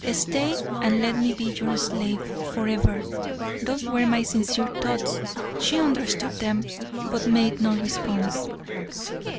Stay and let me be your slave forever." Those were my sincere thoughts. She understood them, but made no response.